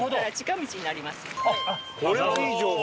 これはいい情報！